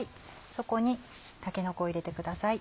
そこにたけのこを入れてください。